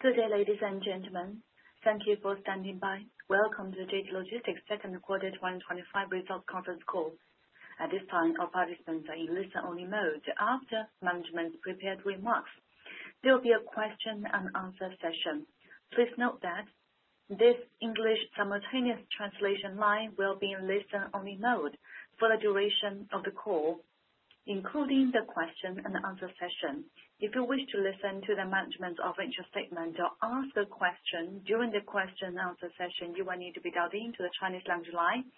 Good day, ladies and gentlemen. Thank you for standing by. Welcome to the JD Logistics 2025 Results Conference Call. At this time, our participants are in listen-only mode. After management's prepared remarks, there will be a question-and-answer session. Please note that this English simultaneous translation line will be in listen-only mode for the duration of the call, including the question-and-answer session. If you wish to listen to the management's official statement or ask a question during the question-and-answer session, you will need to be dialled into the Chinese language line.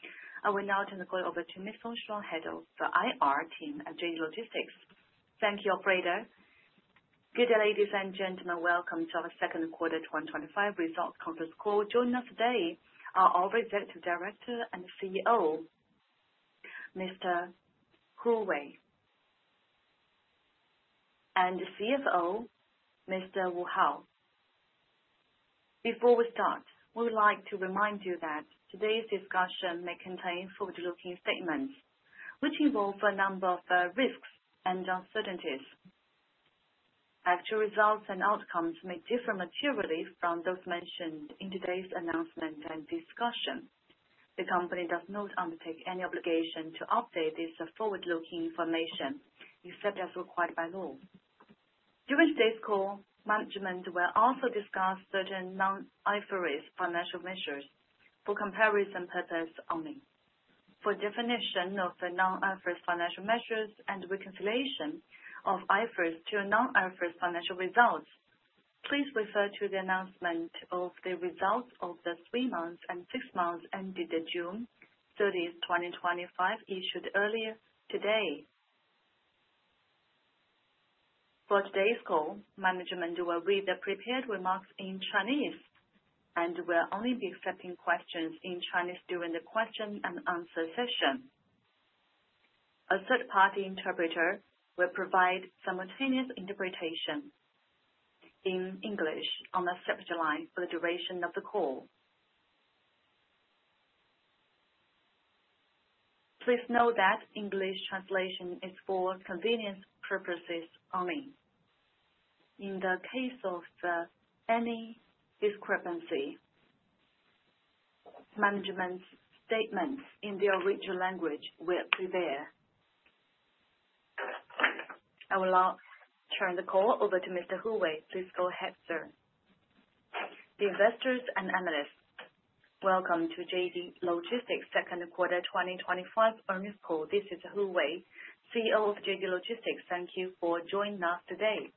I will now turn the call over to Ms. Song Shuo, Head of the Investor Relations team at JD Logistics. Thank you, operator. Good day, ladies and gentlemen. Welcome to our Second quarter 2025 results conference call. Joining us today are our Executive Director and CEO, Mr. Hu Wei, and CFO, Mr. Hao Wu. Before we start, we would like to remind you that today's discussion may contain forward-looking statements, which involve a number of risks and uncertainties. Actual results and outcomes may differ materially from those mentioned in today's announcement and discussion. The company does not undertake any obligation to update this forward-looking information, except as required by law. During today's call, management will also discuss certain non-IFRS financial measures for comparison purposes only. For definition of non-IFRS financial measures and reconciliation of IFRS to non-IFRS financial results, please refer to the announcement of the results of the three months and six months ended June 30, 2025, issued earlier today. For today's call, management will read the prepared remarks in Chinese and wll only be accepting questions in Chinese during the question-and-answer session.A third-party interpreter will provide simultaneous interpretation in English on the subject line for the duration of the call. Please note that English translation is for convenience purposes only. In the case of any discrepancy, management's statements in their original language will prevail. I will now turn the call over to Mr. Hu Wei. Please go ahead, sir. Investors and analysts, welcome to JD Logistics second quarter 2025 earnings call. This is Hu Wei, CEO of JD Logistics. Thank you for joining us today.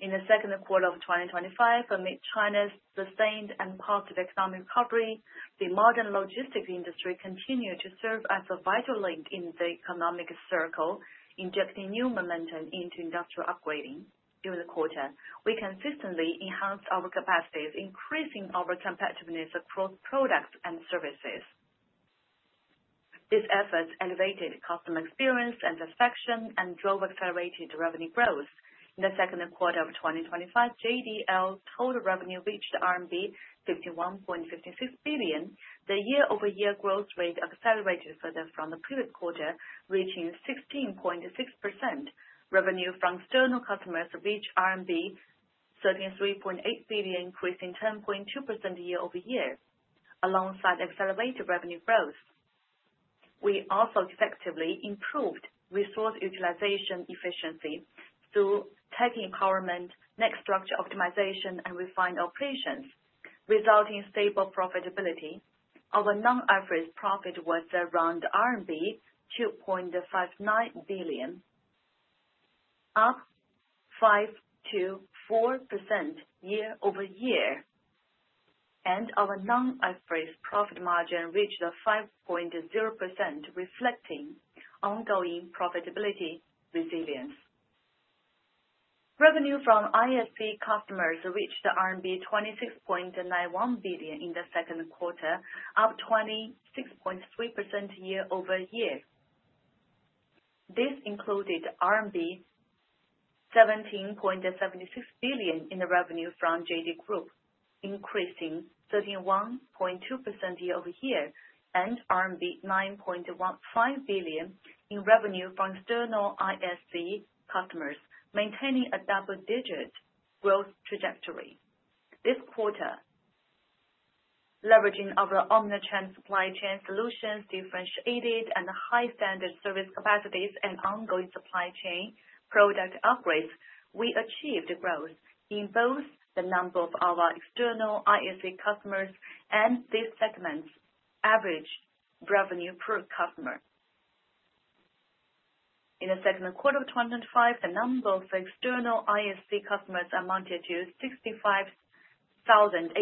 In the second quarter of 2025, amid China's sustained and positive economic recovery, the modern logistics industry continues to serve as a vital link in the economic circle, injecting new momentum into industrial upgrading. During the quarter, we consistently enhanced our capacities, increasing our competitiveness across products and services. These efforts elevated customer experience and satisfaction and drove accelerated revenue growth. In the second quarter of 2025, JD Logistics total revenue reached RMB 51.56 billion. The year-over-year growth rate accelerated further from the previous quarter, reaching 16.6%. Revenue from external customers reached RMB 33.8 billion, increasing 10.2% year-over-year, alongside accelerated revenue growth. We also effectively improved resource utilization efficiency through tech empowerment, net structure optimization, and refined operations, resulting in stable profitability. Our non-IFRS profit was around RMB 2.59 billion, up 54% year-over-year, and our non-IFRS profit margin reached 5.0%, reflecting ongoing profitability resilience. Revenue from ISV customers reached RMB 26.91 billion in the second quarter, up 26.3% year-over-year. This included RMB 17.76 billion in revenue from JD Group, increasing 31.2% year-over-year, and RMB 9.15 billion in revenue from external ISV customers, maintaining a double-digit growth trajectory. This quarter, leveraging our omnichannel supply chain solutions, differentiated and high-standard service capacities, and ongoing supply chain product upgrades, we achieved growth in both the number of our external ISV customers and this segment's average revenue per customer. In the second quarter of 2025, the number of external ISV customers amounted to 65,848,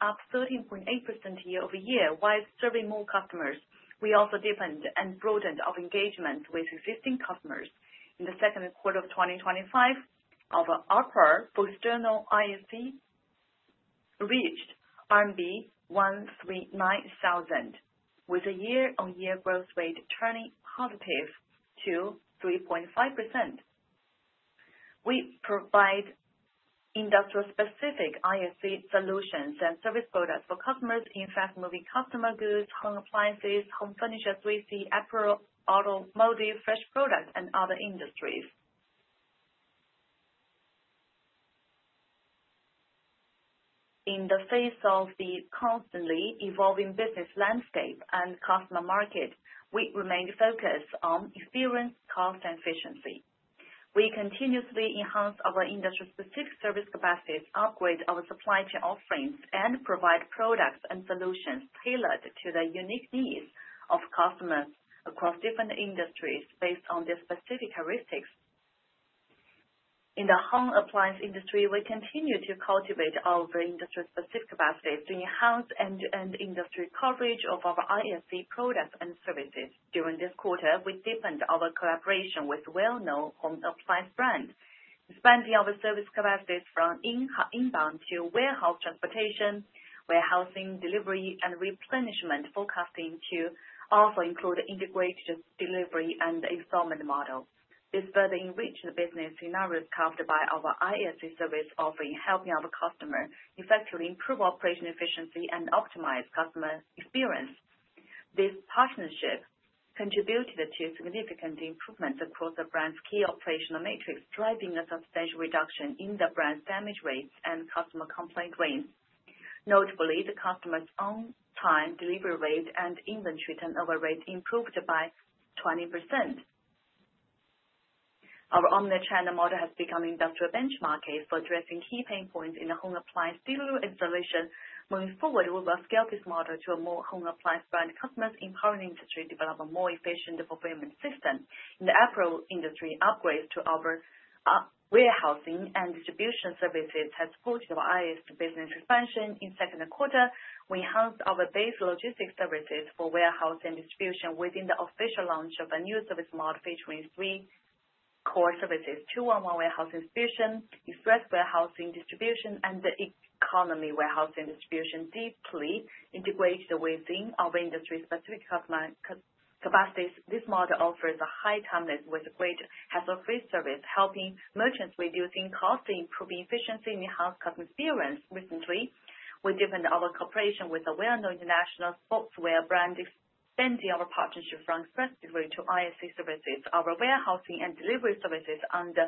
up 13.8% year-over-year. While serving more customers, we also deepened and broadened our engagement with existing customers. In the second quarter of 2025, our offer for external ISVs reached RMB 1,390,000, with a year-on-year growth rate turning positive to 3.5%. We provide industry-specific ISV solutions and service products for customers in fast-moving consumer goods, home appliances, home furniture, 3C, apparel, automotive, fresh products, and other industries. In the face of the constantly evolving business landscape and customer market, we remain focused on experience, cost, and efficiency. We continuously enhance our industry-specific service capacities, upgrade our supply chain offerings, and provide products and solutions tailored to the unique needs of customers across different industries based on their specific characteristics. In the home appliance industry, we continue to cultivate our industry-specific capacities to enhance end-to-end industry coverage of our ISV products and services. During this quarter, we deepened our collaboration with a well-known home appliance brand, expanding our service capacities from inbound to warehouse transportation, warehousing, delivery, and replenishment, forecasting to also include integrated delivery and installment models. This further enriched the business scenarios covered by our ISV service offering, helping our customers effectively improve operational efficiency and optimize customer experience. This partnership contributed to significant improvements across the brand's key operational metrics, driving a substantial reduction in the brand's damage rates and customer complaint rates. Notably, the customer's on-time delivery rate and inventory turnover rate improved by 20%. Our omnichannel model has become industrial benchmarking for addressing key pain points in the home appliance delivery and installation. Moving forward, we will scale this model to more home appliance brand customers, empowering the industry to develop a more efficient fulfillment system. In the apparel industry, upgrades to our warehousing and distribution services have supported our ISV business expansion. In the second quarter, we enhanced our base logistics services for warehousing and distribution with the official launch of a new service model featuring three core services: 211 warehousing distribution, express warehousing distribution, and the economy warehousing distribution, deeply integrated within our industry-specific supply capacities. This model offers high timeliness with great hassle-free service, helping merchants reduce costs, improving efficiency, and enhancing customer experience. Recently, we deepened our cooperation with a well-known international sportswear brand, extending our partnership from express delivery to ISV services. Our warehousing and delivery services under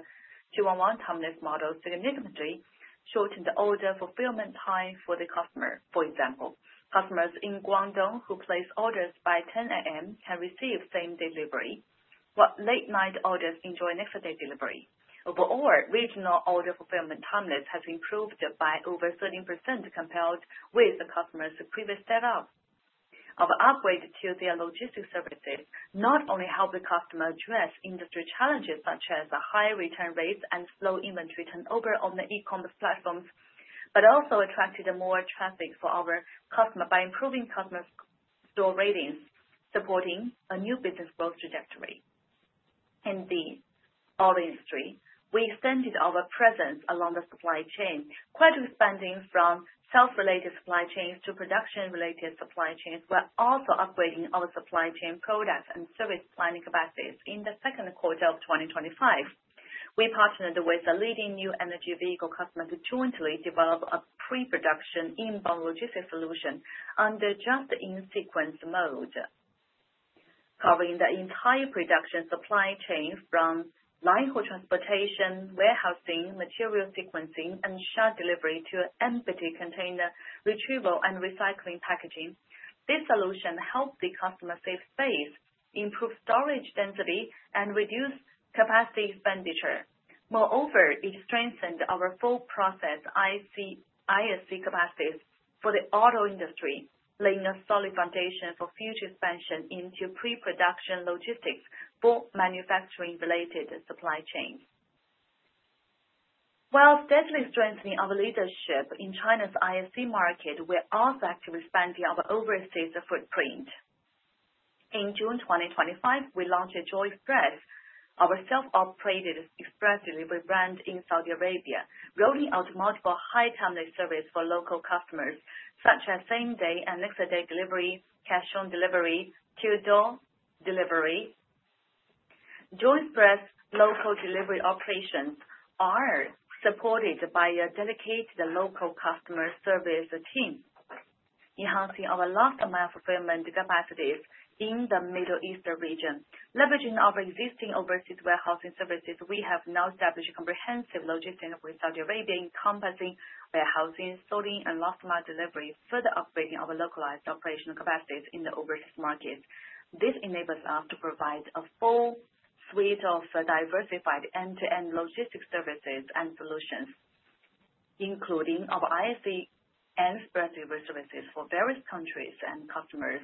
211 timeliness models significantly shortened the order fulfillment time for the customer. For example, customers in Guangdong who place orders by 10:00 A.M. can receive same-day delivery, while late-night orders enjoy next-day delivery. Overall, regional order fulfillment timelines have improved by over 30%, compared with the customer's previous setup. Our upgrade to their logistics services not only helped the customer address industry challenges such as high return rates and slow inventory turnover on the e-commerce platforms, but also attracted more traffic for our customer by improving customer store ratings, supporting a new business growth trajectory. In the auto industry, we extended our presence along the supply chain, quite expanding from self-related supply chains to production-related supply chains, while also upgrading our supply chain products and service planning capacities. In the second quarter of 2025, we partnered with a leading new energy vehicle customer to jointly develop a pre-production inbound logistics solution under just-in-sequence mode, covering the entire production supply chain from line transportation, warehousing, material sequencing, and shop delivery to empty container retrieval and recycling packaging. This solution helped the customer save space, improve storage density, and reduce capacity expenditure. Moreover, it strengthened our full process ISV capacities for the auto industry, laying a solid foundation for future expansion into pre-production logistics for manufacturing-related supply chains. While steadily strengthening our leadership in China's ISV market, we're also actively expanding our overseas footprint. In June 2025, we launched Joy Express, our self-operated express delivery brand in Saudi Arabia, rolling out multiple high-timeliness services for local customers, such as same-day and next-day delivery, cash-on delivery, and to-door delivery. Joy Express local delivery operations are supported by a dedicated local customer service team, enhancing our last-mile fulfillment capacities in the Middle Eastern region. Leveraging our existing overseas warehousing services, we have now established comprehensive logistics with Saudi Arabia, encompassing warehousing, sorting, and last-mile delivery, further upgrading our localized operational capacities in the overseas markets. This enables us to provide a full suite of diversified end-to-end logistics services and solutions, including our ISV and express delivery services for various countries and customers.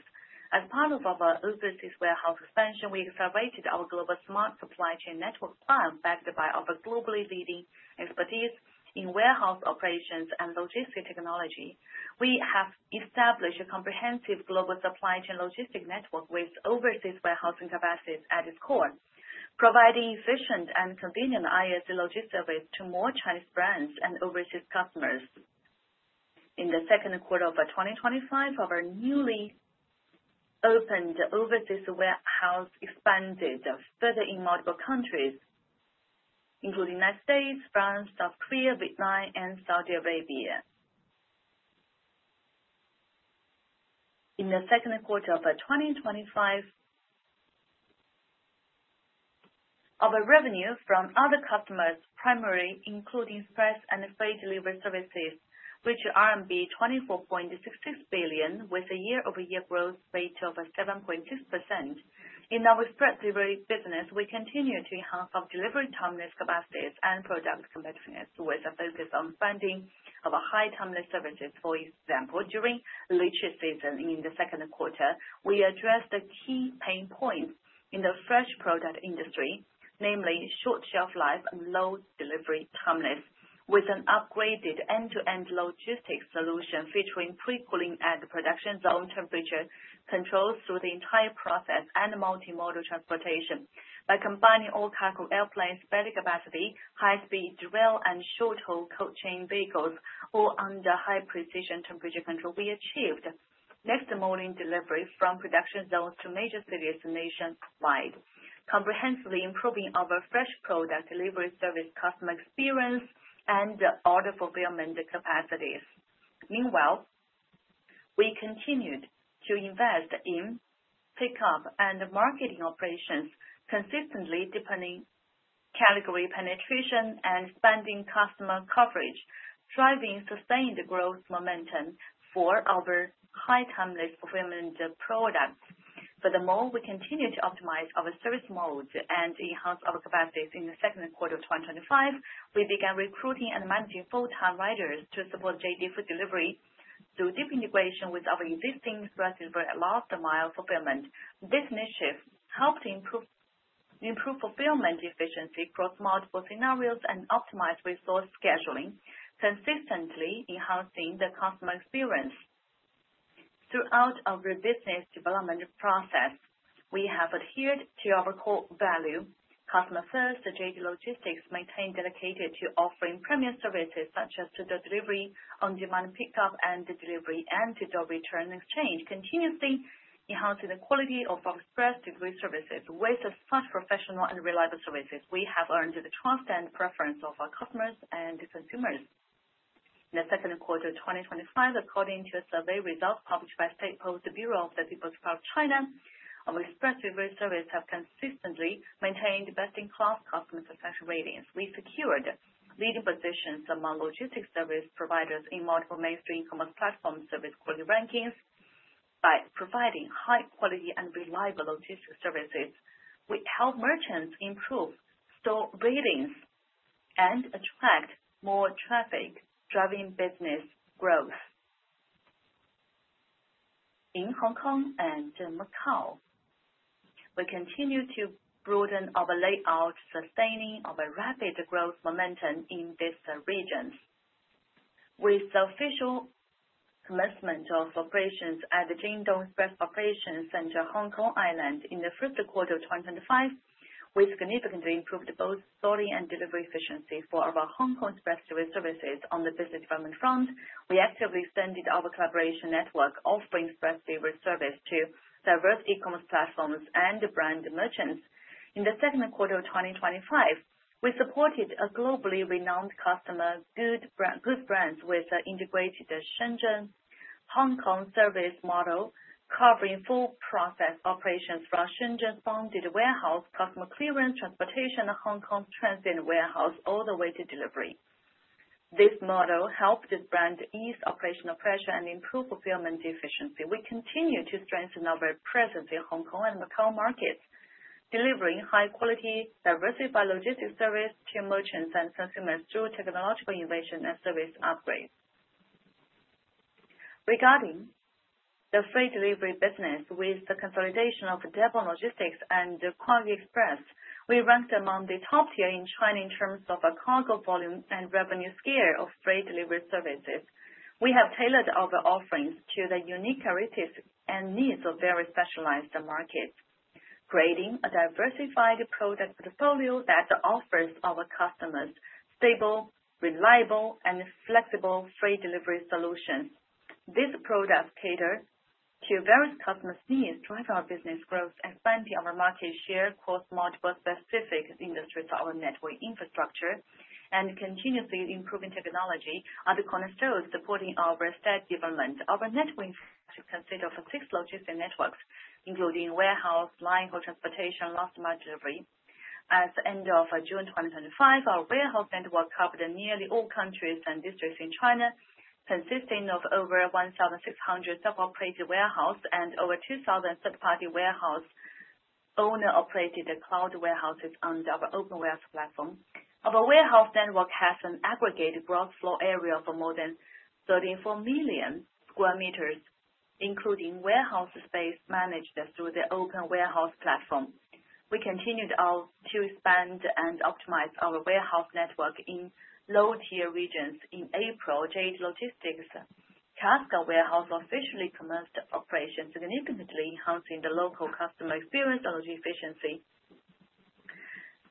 As part of our overseas warehouse expansion, we accelerated our global smart supply chain network plan, backed by our globally leading expertise in warehouse operations and logistics technology. We have established a comprehensive global supply chain logistics network with overseas warehousing capacities at its core, providing efficient and convenient ISV logistics service to more Chinese brands and overseas customers. In the second quarter of 2025, our newly opened overseas warehouse expanded further in multiple countries, including the United States, France, South Korea, Vietnam, and Saudi Arabia. In the second quarter of 2025, our revenue from other customers' primary, including express and freight delivery services, reached RMB 24.66 billion, with a year-over-year growth rate of 7.6%. In our express delivery business, we continue to enhance our delivery timeliness capacities and product competitiveness, with a focus on funding of high-timeliness services. For example, during the leisure season in the second quarter, we addressed the key pain points in the fresh product industry, namely short shelf life and low delivery timeliness, with an upgraded end-to-end logistics solution featuring pre-cooling at the production zone, temperature controls through the entire process, and multimodal transportation. By combining all cargo airplanes, bedding capacity, high-speed rail, and short-haul cold chain vehicles, all under high-precision temperature control, we achieved next-morning delivery from production zones to major cities nationwide, comprehensively improving our fresh product delivery service, customer experience, and order fulfillment capacities. Meanwhile, we continued to invest in pickup and marketing operations, consistently deepening category penetration and expanding customer coverage, driving sustained growth momentum for our high-timeliness fulfillment products. Furthermore, we continue to optimize our service modes and enhance our capacities. In the second quarter of 2025, we began recruiting and managing full-time riders to support JD for delivery through deep integration with our existing express delivery and last-mile fulfillment. This initiative helped improve fulfillment efficiency across multiple scenarios and optimize resource scheduling, consistently enhancing the customer experience. Throughout our business development process, we have adhered to our core value: customer first. JD Logistics remains dedicated to offering premium services such as to-door delivery, on-demand pickup and delivery, and to-door return exchange, continuously enhancing the quality of our express delivery services. With such professional and reliable services, we have earned the trust and preference of our customers and consumers. In the second quarter of 2025, according to a survey result published by the State Post Bureau of the People's Republic of China, our express delivery service has consistently maintained best-in-class customer satisfaction ratings. We secured leading positions among logistics service providers in multiple mainstream e-commerce platform service quality rankings. By providing high-quality and reliable logistics services, we help merchants improve store ratings and attract more traffic, driving business growth. In Hong Kong and Macau, we continue to broaden our layout, sustaining our rapid growth momentum in these regions. With the official commencement of operations at the JD Express Operations Center on Hong Kong Island in the first quarter of 2025, we significantly improved both sorting and delivery efficiency for our Hong Kong express delivery services. On the business development front, we actively extended our collaboration network, offering express delivery service to diverse e-commerce platforms and brand merchants. In the second quarter of 2025, we supported a globally renowned consumer goods brand with an integrated Shenzhen-Hong Kong service model, covering full process operations from Shenzhen-bonded warehouse, customs clearance, transportation, and Hong Kong transit warehouse all the way to delivery. This model helped this brand ease operational pressure and improve fulfillment efficiency. We continue to strengthen our presence in Hong Kong and Macau markets, delivering high-quality, diversified logistics services to merchants and consumers through technological innovation and service upgrades. Regarding the freight delivery business, with the consolidation of Deppon Logistics and the Kuayue-Express Group, we ranked among the top tier in China in terms of cargo volume and revenue scale of freight delivery services. We have tailored our offerings to the unique characteristics and needs of various specialized markets, creating a diversified product portfolio that offers our customers stable, reliable, and flexible freight delivery solutions. These products cater to various customers' needs, 24-hour business growth, expanding our market share across multiple specific industries to our network infrastructure, and continuously improving technology at the cornerstone, supporting our state development. Our network is considered for six logistics networks, including warehouse, line transportation, and last-mile delivery. As of the end of June 2025, our warehouse network covered nearly all countries and districts in China, consisting of over 1,600 self-operated warehouses and over 2,000 third-party warehouse owner-operated cloud warehouses under our open warehouse platform. Our warehouse network has an aggregated gross floor area of more than 34 million sq. M, including warehouse space managed through the open warehouse platform. We continued to expand and optimize our warehouse network in low-tier regions. In April, JD Logistics' Cascade warehouse officially commenced operations, significantly enhancing the local customer experience and efficiency.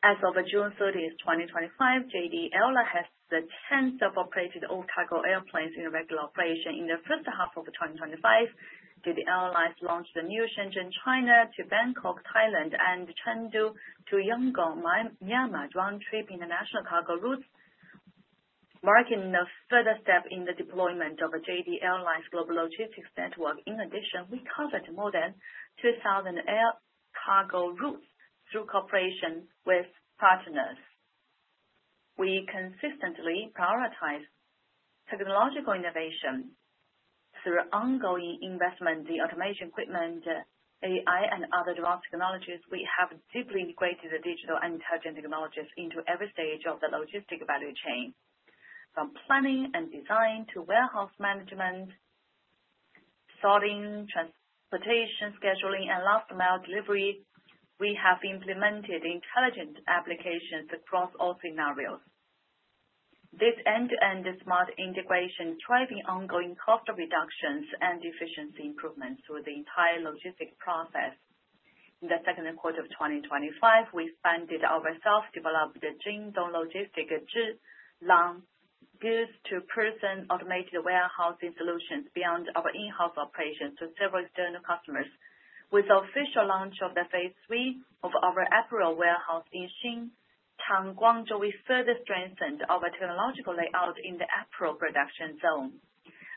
As of June 30, 2025, JD Airlines has 10 self-operated all-cargo airplanes in regular operation. In the first half of 2025, JD Airlines launched the new Shenzhen, China, to Bangkok, Thailand, and Chengdu to Yangon, Myanmar, joining the Trip International Cargo Route, marking a further step in the deployment of JD Airlines' global logistics network. In addition, we covered more than 2,000 air cargo routes through cooperation with partners. We consistently prioritize technological innovation through ongoing investment in automation equipment, AI, and other advanced technologies. We have deeply integrated the digital and intelligent technologies into every stage of the logistics value chain, from planning and design to warehouse management, sorting, transportation scheduling, and last-mile delivery. We have implemented intelligent applications across all scenarios. This end-to-end smart integration is driving ongoing cost reductions and efficiency improvements through the entire logistics process. In the second quarter of 2025, we expanded our self-developed JD Logistics' two-lane goods-to-person automated warehousing solutions beyond our in-house operations to several external customers. With the official launch of the phase III of our apparel warehouse in Xingtang, Guangzhou, we further strengthened our technological layout in the apparel production zone.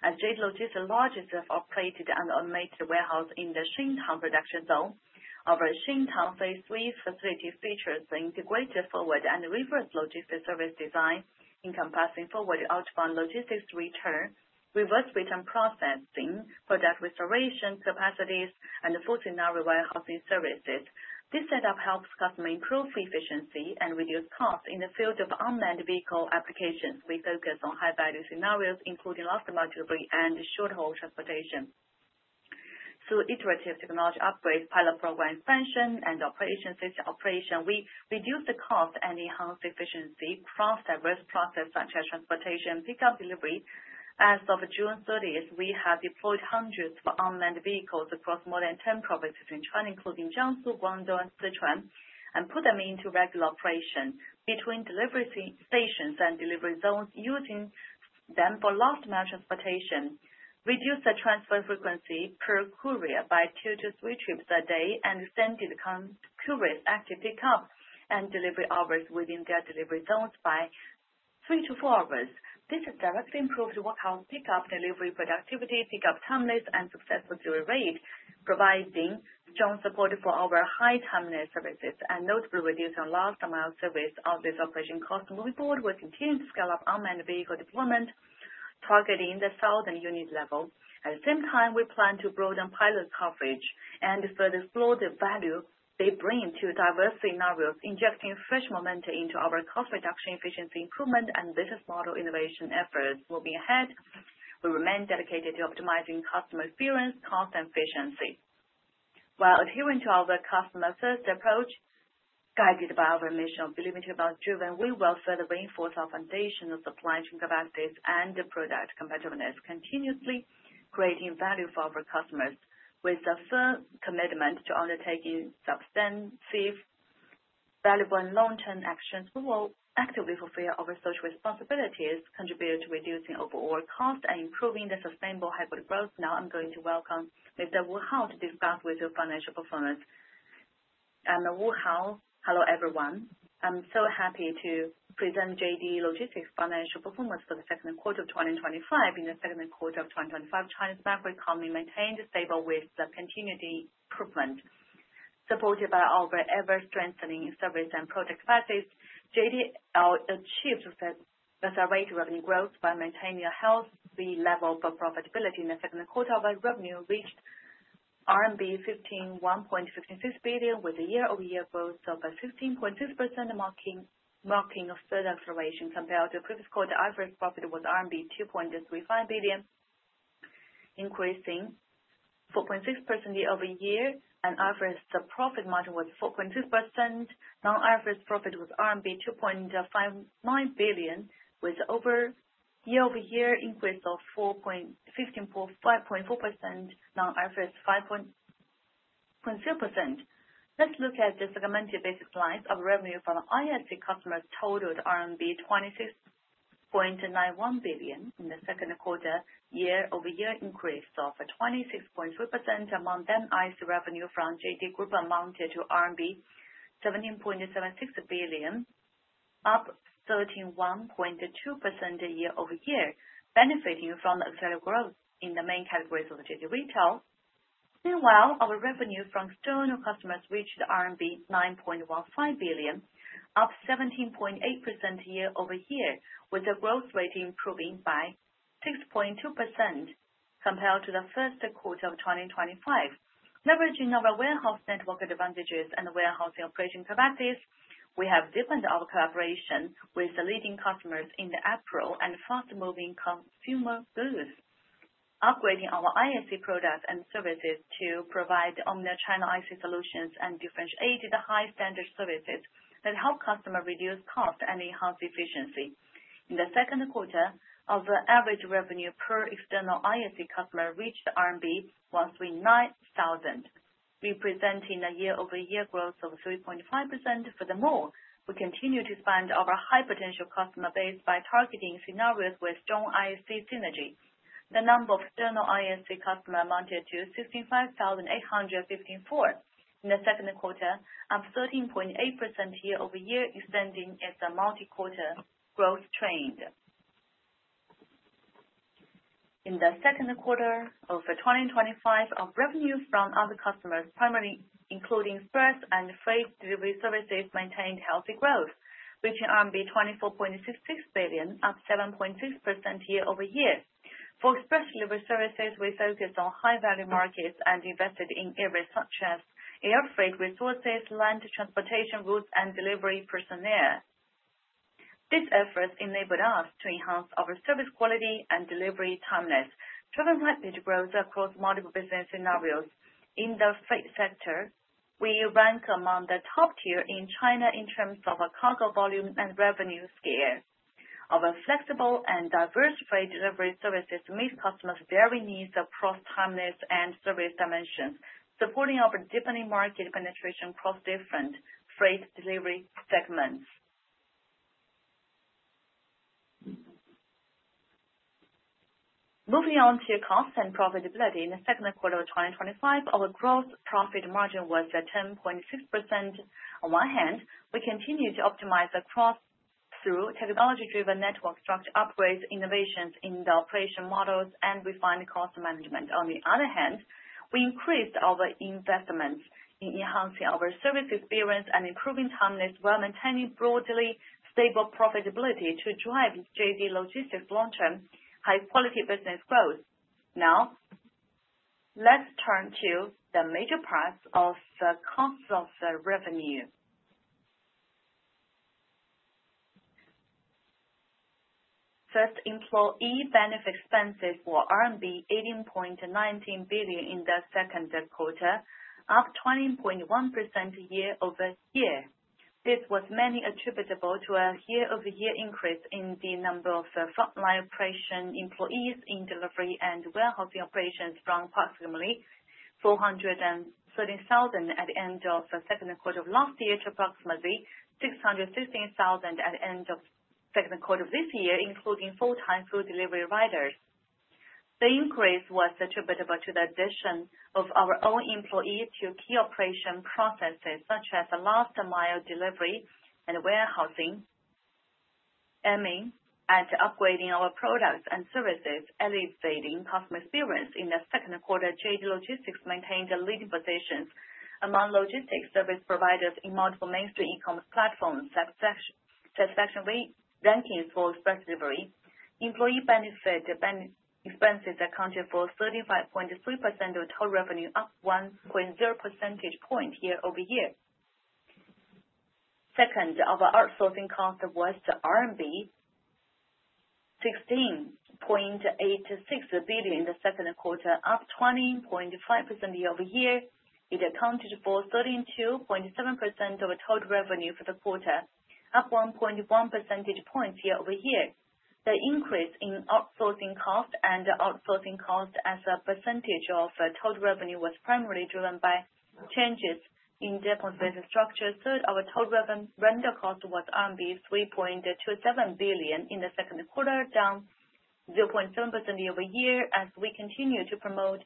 As JD's largest self-operated and automated warehouse in the Xingtang production zone, our Xingtang phase III facility features an integrated forward and reverse logistics service design, encompassing forward outbound logistics return, reverse return processing, product restoration capacities, and full-scenario warehousing services. This setup helps customers improve efficiency and reduce costs in the field of unmanned vehicle applications. We focus on high-value scenarios, including last-mile delivery and short-hold transportation. Through iterative technology upgrades, pilot program expansion, and operation safety operation, we reduce the cost and enhance efficiency across diverse processes, such as transportation and pickup delivery. As of June 30, we have deployed hundreds of unmanned vehicles across more than 10 provinces in China, including Jiangsu, Guangdong, and Sichuan, and put them into regular operation between delivery stations and delivery zones, using them for last-mile transportation. We reduced the transfer frequency per courier by two to three trips a day and extended the current courier's active pickup and delivery hours within their delivery zones by three to four hours. This has directly improved the work-house, pickup, delivery productivity, pickup timeliness, and successful delivery rates, providing strong support for our high-timeliness services and notably reducing last-mile service out-of-base operation costs. Moving forward, we'll continue to scale up unmanned vehicle deployment, targeting the southern unit level. At the same time, we plan to broaden pilot coverage and further explore the value they bring to diverse scenarios, injecting fresh momentum into our cost reduction, efficiency improvement, and business model innovation efforts. Moving ahead, we remain dedicated to optimizing customer experience, cost, and efficiency. While adhering to our customer-first approach, guided by our mission of believing in development-driven, we will further reinforce our foundational supply chain capacities and product competitiveness, continuously creating value for our customers with a firm commitment to undertaking substantive, valuable, and long-term actions. We will actively fulfill our social responsibilities, contributing to reducing overall cost and improving the sustainable hybrid growth. Now, I'm going to welcome Mr. Hao Wu to discuss with you financial performance. I'm Hao Wu. Hello, everyone. I'm so happy to present JD Logistics' financial performance for the second quarter of 2025. In the second quarter of 2025, China's bank recovery maintained stable with continued improvement. Supported by our ever-strengthening service and product capacities, JD Logistics achieved accelerated revenue growth while maintaining a healthy level of profitability. In the second quarter, our revenue reached RMB 15.56 billion, with a year-over-year growth of 16.6%, marking a further acceleration compared to the previous quarter. The average profit was RMB 2.35 billion, increasing 4.6% year-over-year, and average profit margin was 4.6%. Non-IFRS profit was RMB 2.59 billion, with a year-over-year increase of 5.4%, non-IFRS 5.0%. Let's look at the segmented basis lines of revenue from ISV customers totaled RMB 26.91 billion. In the second quarter, year-over-year increase of 26.4% among non-IFRS revenue from JD Group amounted to RMB 17.76 billion, up 31.2% year-over-year, benefiting from accelerated growth in the main categories of JD Retail. Meanwhile, our revenue from external customers reached RMB 9.15 billion, up 17.8% year-over-year, with the growth rate improving by 6.2% compared to the first quarter of 2025. Leveraging our warehouse network advantages and warehousing operation capacities, we have deepened our collaboration with the leading customers in the apparel and fast-moving consumer goods, upgrading our ISV products and services to provide omnichannel IC solutions and differentiated high-standard services that help customers reduce costs and enhance efficiency. In the second quarter, our average revenue per external ISV customer reached 109,000 RMB, representing a year-over-year growth of 3.5%. Furthermore, we continue to expand our high-potential customer base by targeting scenarios with strong ISV synergy. The number of external ISV customers amounted to 65,854 in the second quarter, up 13.8% year-over-year, extending its multi-quarter growth trend. In the second quarter of 2025, our revenue from other customers, primarily including express and freight delivery services, maintained healthy growth, reaching RMB 24.66 billion, up 7.6% year-over-year. For express delivery services, we focused on high-value markets and invested in areas such as air freight resources, land transportation routes, and delivery personnel. This effort enabled us to enhance our service quality and delivery timeliness, driving rapid growth across multiple business scenarios. In the freight sector, we rank among the top tier in China in terms of cargo volume and revenue scale. Our flexible and diverse freight delivery services meet customers' varying needs across timeliness and service dimensions, supporting our deepening market penetration across different freight delivery segments. Moving on to cost and profitability, in the second quarter of 2025, our gross profit margin was 10.6%. On one hand, we continue to optimize the cost through technology-driven network structure, upgrades, innovations in the operation models, and refined cost management. On the other hand, we increased our investments in enhancing our service experience and improving timeliness, while maintaining broadly stable profitability to drive JD Logistics' long-term, high-quality business growth. Now, let's turn to the major parts of the cost of revenue. First, employee benefit expenses were RMB 18.19 billion in the second quarter, up 20.1% year-over-year. This was mainly attributable to a year-over-year increase in the number of frontline operation employees in delivery and warehousing operations from approximately 430,000 at the end of the second quarter of last year to approximately 615,000 at the end of the second quarter of this year, including full-time food delivery riders. The increase was attributable to the addition of our own employees to key operation processes, such as the last-mile delivery and warehousing, aiming at upgrading our products and services, elevating customer experience. In the second quarter, JD Logistics maintained the leading positions among logistics service providers in multiple mainstream e-commerce platforms. Satisfaction rate rankings for express delivery employee benefit expenses accounted for 35.3% of total revenue, up 1.0% year-over-year. Second, our outsourcing cost was 16.86 billion in the second quarter, up 20.5% year-over-year. It accounted for 32.7% of total revenue for the quarter, up 1.1% year-over-year. The increase in outsourcing cost and outsourcing cost as a percentage of total revenue was primarily driven by changes in Deppon Logistics business structure. Third, our total rental cost was RMB 3.27 billion in the second quarter, down 0.7% year-over-year. As we continue to promote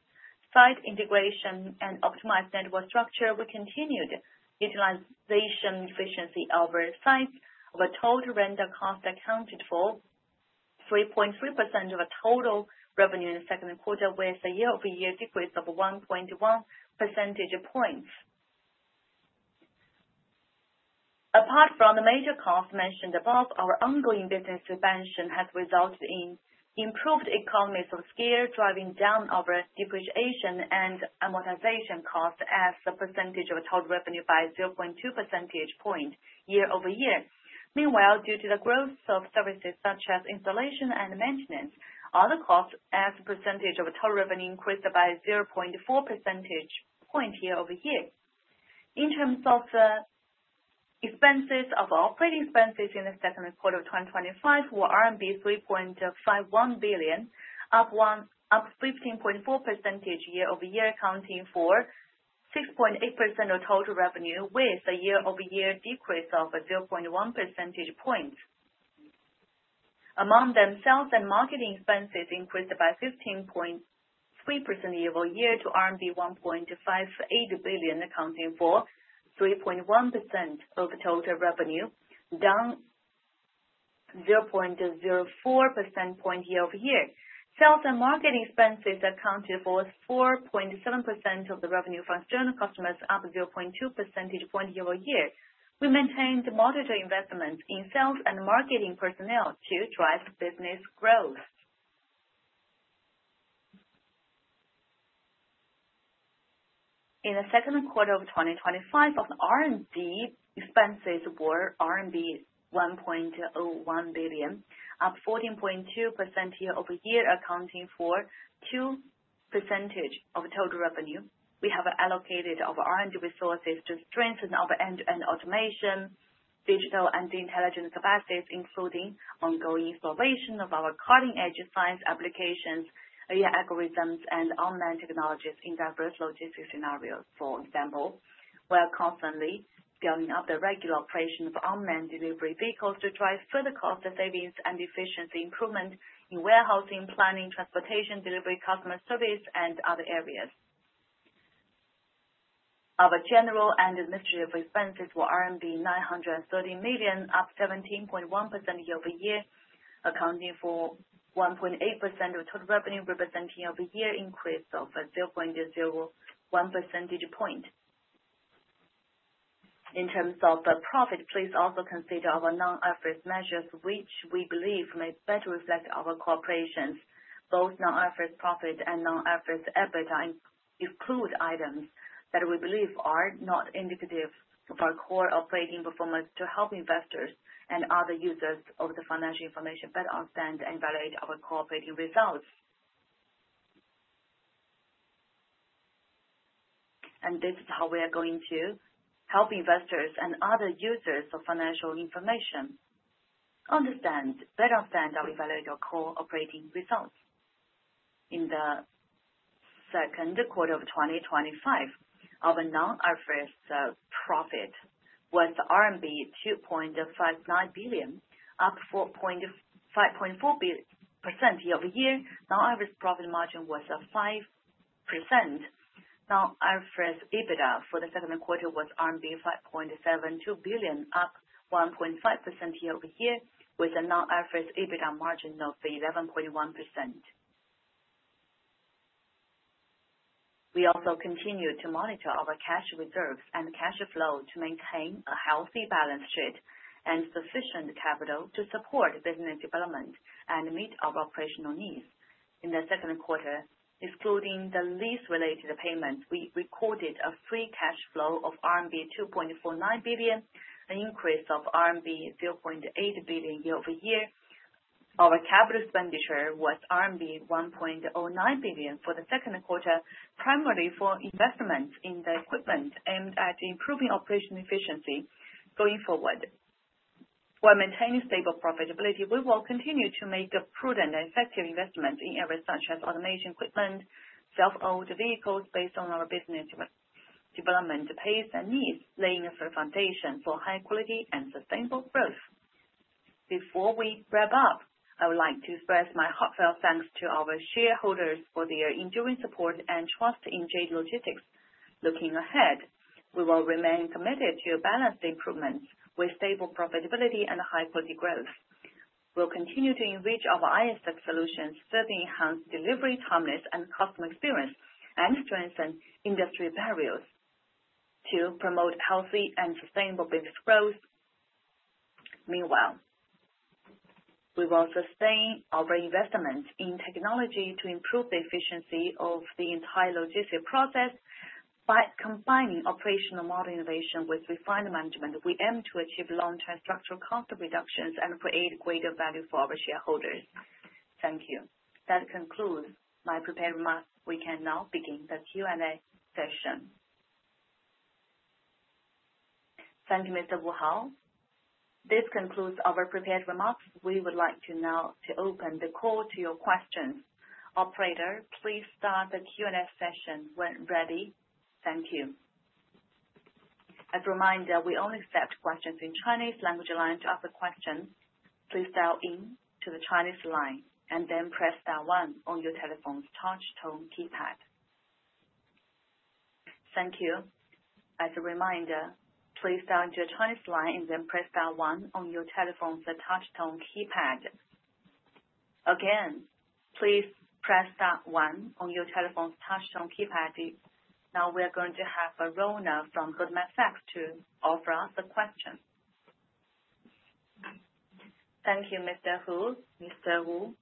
site integration and optimize network structure, we continued utilization efficiency. Our site's total rental cost accounted for 3.3% of total revenue in the second quarter, with a year-over-year decrease of 1.1%. Apart from the major costs mentioned above, our ongoing business expansion has resulted in improved economies of scale, driving down our depreciation and amortization cost as a percentage of total revenue by 0.2% year-over-year. Meanwhile, due to the growth of services such as installation and maintenance, other costs as a percentage of total revenue increased by 0.4% year-over-year. In terms of expenses, our operating expenses in the second quarter of 2025 were RMB 3.51 billion, up 15.4% year-over-year, accounting for 6.8% of total revenue, with a year-over-year decrease of 0.1%. Among them, sales and marketing expenses increased by 15.3% year-over-year to RMB 1.58 billion, accounting for 3.1% of total revenue, down 0.04% year-over-year. Sales and marketing expenses accounted for 4.7% of the revenue for external customers, up 0.2% year-over-year. We maintained moderate investments in sales and marketing personnel to drive business growth. In the second quarter of 2025, our R&D expenses were RMB 1.01 billion, up 14.2% year-over-year, accounting for 2% of total revenue. We have allocated our R&D resources to strengthen our end-to-end automation, digital and intelligent capacities, including ongoing formation of our cutting-edge science applications, AI algorithms, and online technologies in diverse logistics scenarios. For example, we are constantly building up the regular operation of online delivery vehicles to drive further cost savings and efficiency improvements in warehousing, planning, transportation, delivery, customer service, and other areas. Our general and administrative expenses were RMB 930 million, up 17.1% year-over-year, accounting for 1.8% of total revenue, representing a year-over-year increase of 0.01%. In terms of profit, please also consider our non-IFRS measures, which we believe may better reflect our corporation's both non-IFRS profit and non-IFRS EBITDA and include items that we believe are not indicative of our core operating performance to help investors and other users of the financial information better understand and evaluate our corporate results. This is how we are going to help investors and other users of financial information to understand, better understand, or evaluate our core operating results. In the second quarter of 2025, our non-IFRS profit was RMB 2.59 billion, up 4.4% year-over-year. Non-IFRS profit margin was 5%. Non-IFRS EBITDA for the second quarter was RMB 5.72 billion, up 1.5% year-over-year, with a non-IFRS EBITDA margin of 11.1%. We also continue to monitor our cash reserves and cash flow to maintain a healthy balance sheet and sufficient capital to support business development and meet our operational needs. In the second quarter, excluding the lease-related payments, we recorded a free cash flow of RMB 2.49 billion, an increase of RMB 0.8 billion year-over-year. Our capital expenditure was RMB 1.09 billion for the second quarter, primarily for investments in the equipment aimed at improving operational efficiency going forward. While maintaining stable profitability, we will continue to make prudent and effective investments in areas such as automation equipment, self-owned vehicles based on our business development pace and needs, laying the foundation for high-quality and sustainable growth. Before we wrap up, I would like to express my heartfelt thanks to our shareholders for their enduring support and trust in JD Logistics. Looking ahead, we will remain committed to balanced improvements with stable profitability and high-quality growth. We'll continue to enrich our ISV solutions, further enhance delivery timeliness and customer experience, and strengthen industry barriers to promote healthy and sustainable business growth. Meanwhile, we will sustain our investments in technology to improve the efficiency of the entire logistics process by combining operational model innovation with refined management. We aim to achieve long-term structural cost reductions and create greater value for our shareholders. Thank you. That concludes my prepared remarks. We can now begin the Q&A session. Thank you, Mr. Hao. This concludes our prepared remarks. We would like to now open the call to your questions. Operator, please start the Q&A session when ready. Thank you. As a reminder, we only accept questions in Chinese language. If you'd like to ask a question, please dial in to the Chinese line and then press one on your telephone's touch-tone keypad. Thank you. As a reminder, please dial into your Chinese line and then press one on your telephone's touch-tone keypad. Again, please press one on your telephone's touch-tone keypad. Now, we are going to have a Roland now from Goldman Sachs to offer us a question. Thank you, Mr. Hu. Mr. Wu.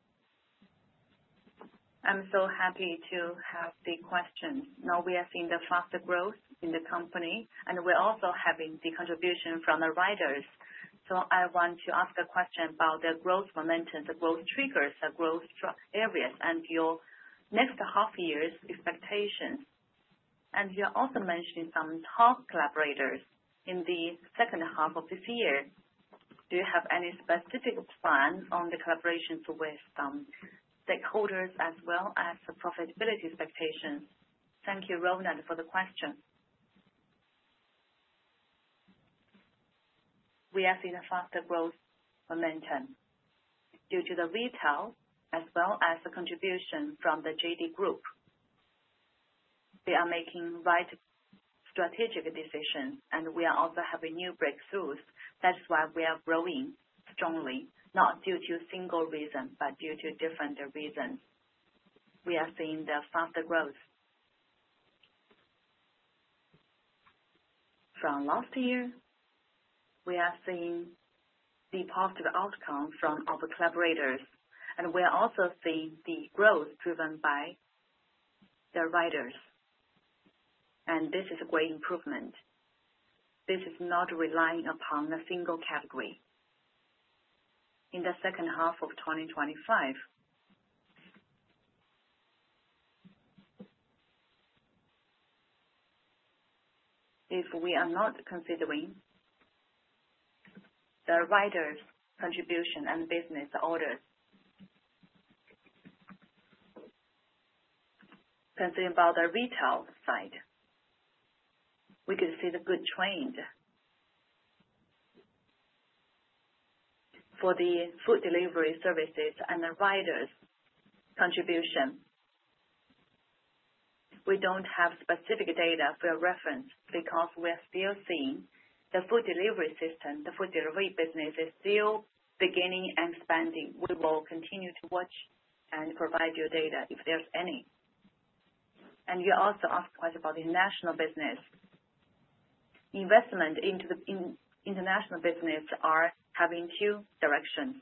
I'm so happy to have the question. Now, we are seeing the fast growth in the company, and we're also having the contribution from the riders. I want to ask a question about the growth momentum, the growth triggers, the growth areas, and your next half year's expectations. You're also mentioning some top collaborators in the second half of this year. Do you have any specific plan on the collaboration with some stakeholders as well as the profitability expectations? Thank you, Roland, for the question. We are seeing a faster growth momentum due to the retail as well as the contribution from the JD Group. They are making right strategic decisions, and we are also having new breakthroughs. That's why we are growing strongly, not due to a single reason, but due to different reasons. We are seeing the faster growth from last year. We are seeing the positive outcome from our collaborators, and we are also seeing the growth driven by the riders. This is a great improvement. This is not relying upon a single category. In the second half of 2025, if we are not considering the rider's contribution and business orders, considering the retail side, we can see the good trend for the food delivery services and the rider's contribution. We don't have specific data for reference because we're still seeing the food delivery system. The food delivery business is still beginning and expanding. We will continue to watch and provide you data if there's any. You also asked a question about the national business. Investment into the international business is heading in two directions.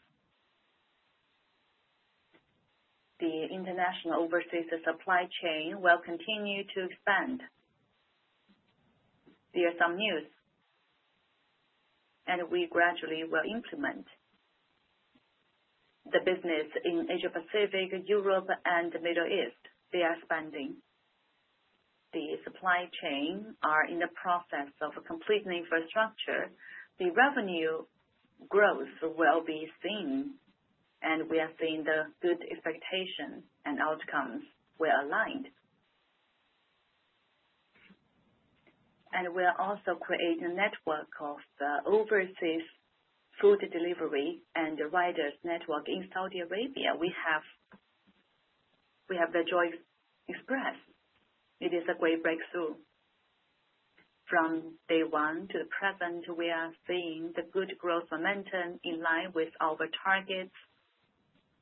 The international overseas supply chain will continue to expand. There's some news, and we gradually will implement the business in Asia-Pacific, Europe, and the Middle East. They are expanding. The supply chain is in the process of completing the infrastructure. The revenue growth will be seen, and we are seeing the good expectations and outcomes aligned. We are also creating a network of overseas food delivery and riders' network in Saudi Arabia. We have the Joy Express. It is a great breakthrough. From day one to the present, we are seeing the good growth momentum in line with our targets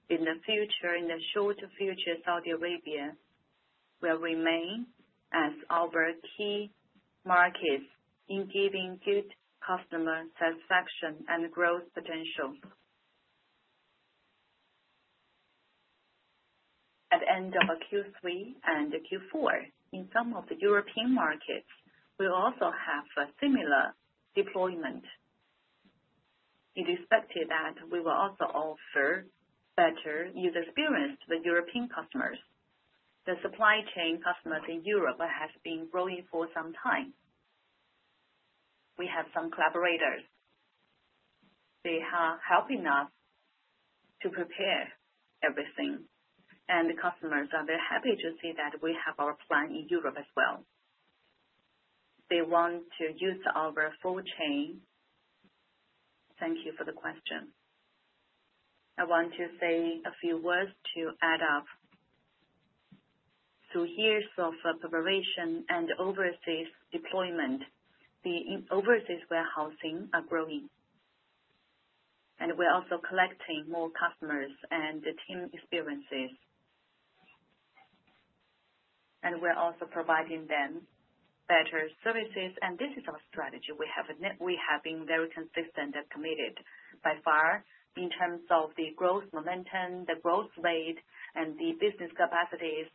in the future. In the short future, Saudi Arabia will remain as our key market in giving good customer satisfaction and growth potential. At the end of Q3 and Q4, in some of the European markets, we will also have a similar deployment, irrespective that we will also offer better user experience to the European customers. The supply chain customers in Europe have been growing for some time. We have some collaborators. They are helping us to prepare everything, and customers are very happy to see that we have our plan in Europe as well. They want to use our full chain. Thank you for the question. I want to say a few words to add up. Through years of preparation and overseas deployment, the overseas warehousing is growing, and we're also collecting more customers and team experiences. We're also providing them better services. This is our strategy. We have been very consistent and committed by far in terms of the growth momentum, the growth rate, the business capacities,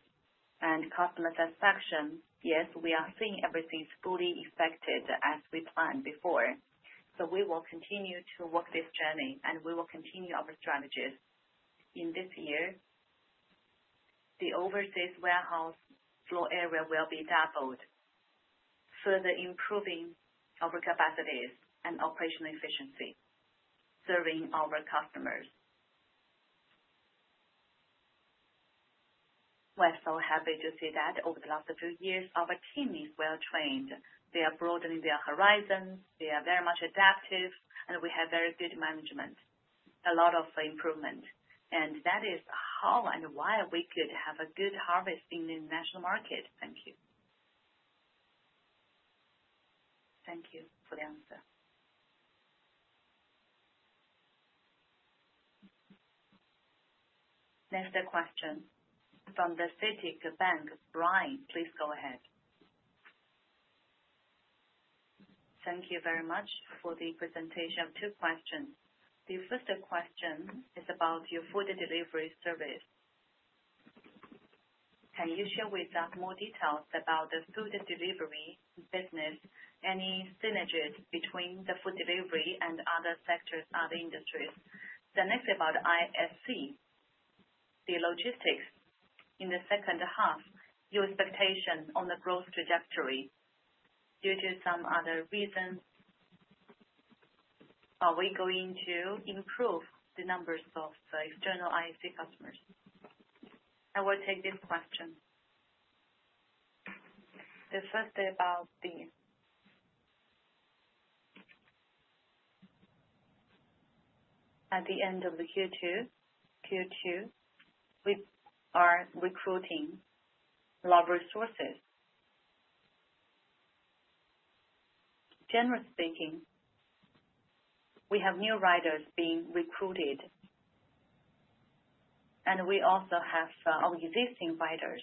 and customer satisfaction. Yes, we are seeing everything is fully effective as we planned before. We will continue to work this journey, and we will continue our strategies. In this year, the overseas warehouse floor area will be doubled, further improving our capacities and operational efficiency, serving our customers. We're so happy to see that over the last few years, our team is well-trained. They are broadening their horizons. They are very much adaptive, and we have very good management. A lot of improvement. That is how and why we could have a good harvest in the international market. Thank you. Thank you for the answer. Next question from the CITIC Bank. Brian, please go ahead. Thank you very much for the presentation of two questions. The first question is about your food delivery services. Can you share with us more details about the food delivery business, any synergies between the food delivery and other sectors, other industries? The next is about ISV, the logistics. In the second half, your expectation on the growth trajectory due to some other reasons, are we going to improve the numbers of the external ISV customers? I will take this question. The first is about the at the end of Q2, we are recruiting a lot of resources. Generally speaking, we have new riders being recruited, and we also have our existing riders.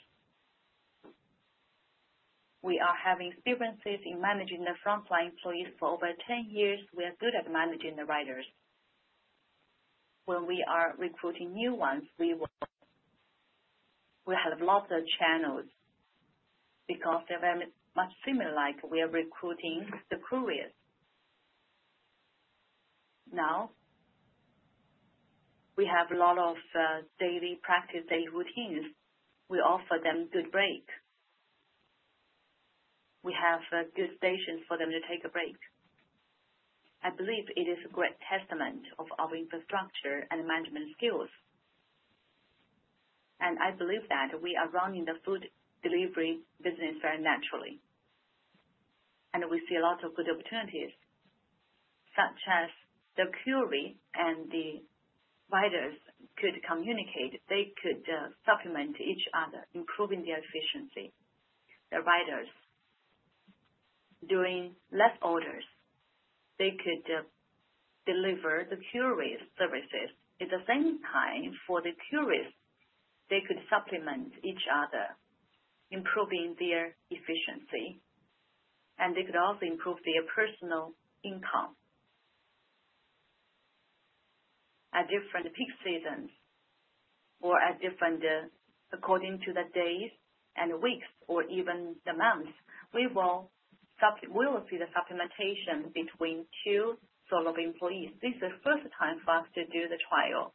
We are having experiences in managing the frontline employees for over 10 years. We are good at managing the riders. When we are recruiting new ones, we have lots of channels because they're very much similar to like we are recruiting the couriers. Now, we have a lot of daily practice, daily routines. We offer them good breaks. We have good stations for them to take a break. I believe it is a great testament of our infrastructure and management skills. I believe that we are running the food delivery business very naturally. We see a lot of good opportunities, such as the courier and the riders could communicate. They could supplement each other, improving their efficiency. The riders doing less orders, they could deliver the courier's services. At the same time, for the courier, they could supplement each other, improving their efficiency. They could also improve their personal income at different peak seasons or at different, according to the days and weeks or even the months. We will see the supplementation between two sort of employees. This is the first time for us to do the trial,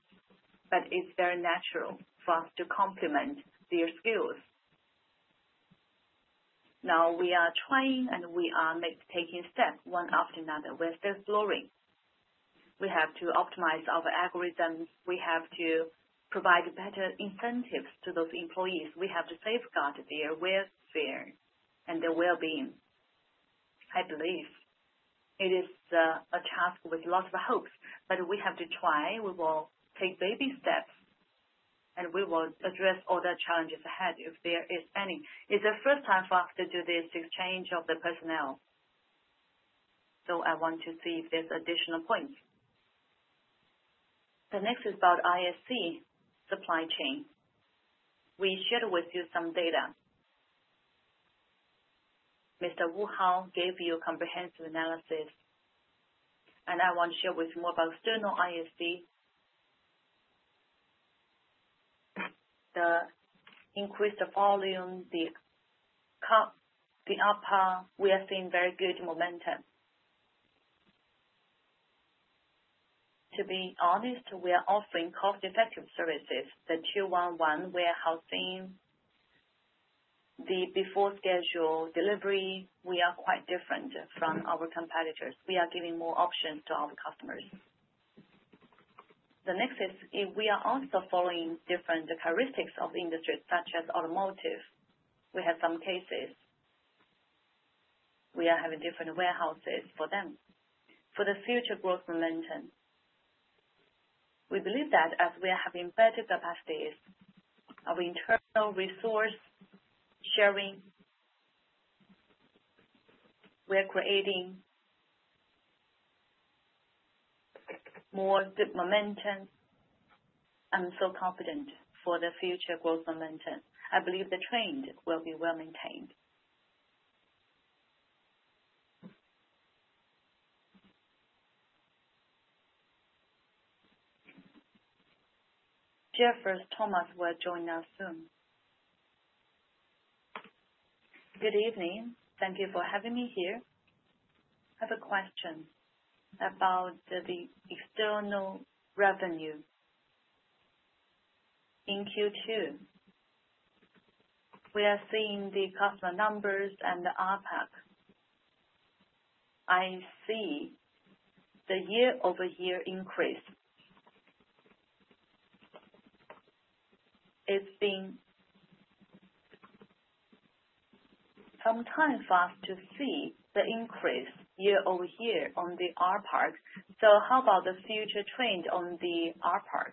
but it's very natural for us to complement their skills. Now, we are trying and we are making steps one after another. We're still exploring. We have to optimize our algorithm. We have to provide better incentives to those employees. We have to safeguard their welfare and their well-being. I believe it is a task with lots of hopes, but we have to try. We will take baby steps, and we will address all the challenges ahead if there is any. It's the first time for us to do this exchange of the personnel. I want to see if there's additional points. The next is about ISV supply chain. We shared with you some data. Mr. Hao Wu gave you a comprehensive analysis, and I want to share with you more about external ISVs. The increased volume, the upper part, we are seeing very good momentum. To be honest, we are offering cost-effective services. The 211 warehousing, the before-schedule delivery, we are quite different from our competitors. We are giving more options to our customers. The next is we are also following different characteristics of industry, such as automotive. We have some cases we are having different warehouses for them. For the future growth momentum, we believe that as we are having better capacities of internal resource sharing, we are creating more momentum. I'm so confident for the future growth momentum. I believe the trend will be well maintained. Jeffrey Thomas will join us soon. Good evening. Thank you for having me here. I have a question about the external revenue in Q2. We are seeing the customer numbers and the OpEx. I see the year-over-year increase. It's been some time for us to see the increase year-over-year on the OpEx. How about the future trend on the OpEx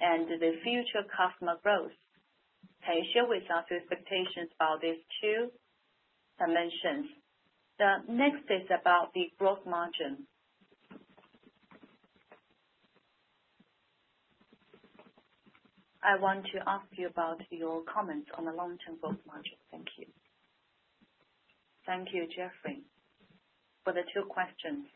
and the future customer growth? Can you share with us your expectations about these two dimensions? The next is about the gross margin. I want to ask you about your comments on the long-term gross margin. Thank you. Thank you, Jeffrey, for the two questions.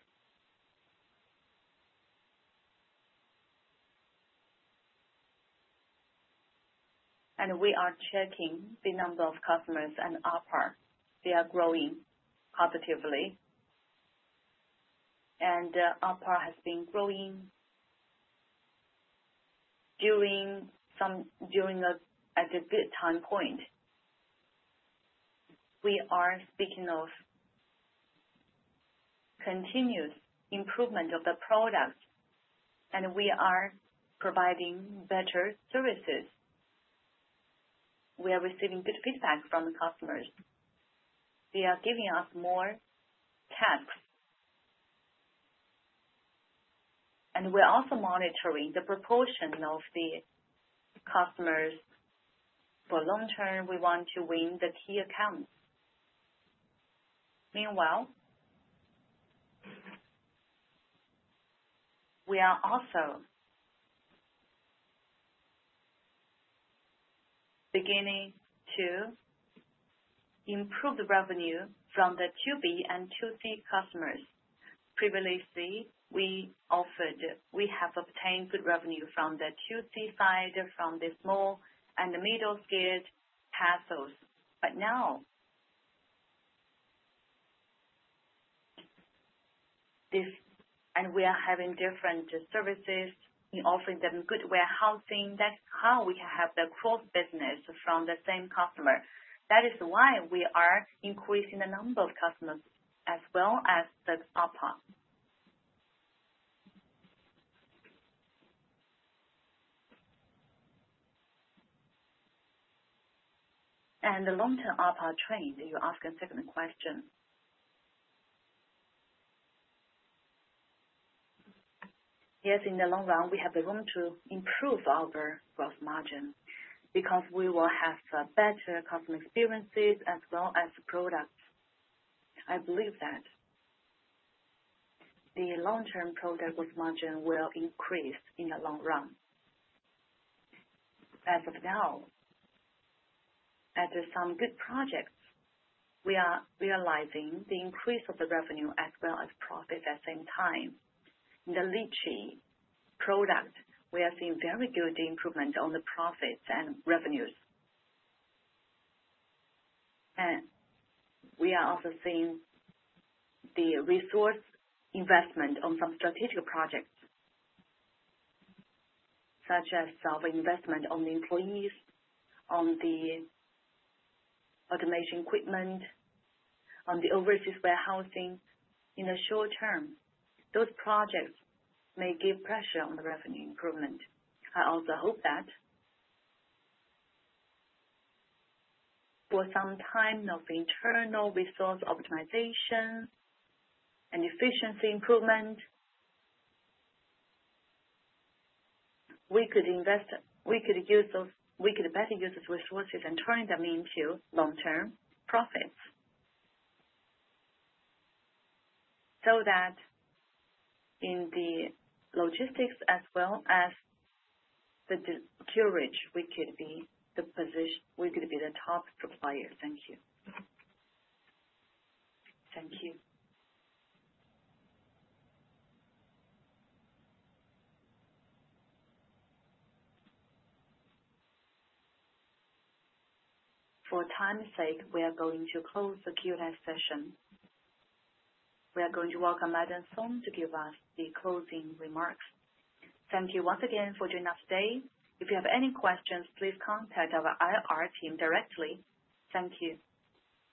We are checking the number of customers and OpEx. They are growing positively. OpEx has been growing during a good time point. We are speaking of continuous improvement of the product, and we are providing better services. We are receiving good feedback from the customers. They are giving us more tasks. We're also monitoring the proportion of the customers for long-term. We want to win the key accounts. Meanwhile, we are also beginning to improve the revenue from the 2B and 2C customers. Previously, we offered, we have obtained good revenue from the 2C side, from the small and the middle-scale households. Now, we are having different services in offering them good warehousing. That's how we can have the growth business from the same customer. That is why we are increasing the number of customers as well as the OpEx. The long-term OpEx trend, you're asking a second question. Yes, in the long run, we have room to improve our gross margin because we will have better customer experiences as well as products. I believe that the long-term product gross margin will increase in the long run. As of now, as there are some good projects, we are realizing the increase of the revenue as well as profit at the same time. In the litchi product, we are seeing very good improvements on the profits and revenues. We are also seeing the resource investment on some strategic projects, such as self-investment on the employees, on the automation equipment, on the overseas warehousing. In the short term, those projects may give pressure on the revenue improvement. I also hope that for some time of internal resource optimization and efficiency improvement, we could invest, we could use those, we could better use those resources and turn them into long-term profits. In the logistics as well as the duration, we could be the position, we could be the top supplier. Thank you. Thank you. For time's sake, we are going to close the Q&A session. We are going to welcome Madam Song to give us the closing remarks. Thank you once again for joining us today. If you have any questions, please contact our IR team directly. Thank you.